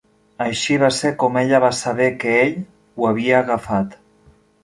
Així va ser com ella va saber que ell ho havia agafat.